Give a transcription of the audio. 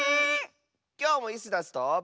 きょうもイスダスと。